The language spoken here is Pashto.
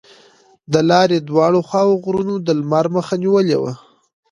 د لارې دواړو خواوو غرونو د لمر مخه نیولې وه.